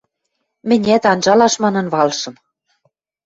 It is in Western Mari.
– Мӹнят анжалаш манын валышым.